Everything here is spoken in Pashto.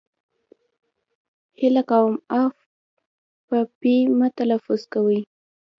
هیله کوم اف په پي مه تلفظ کوی!